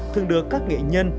thường được các nghệ nhân